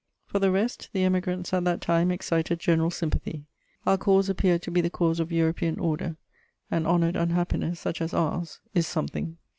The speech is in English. For the rest, the Emigrants at that time excited general sympathy; our cause appeared to be the cause of European order: an honoured unhappiness, such as ours, is something.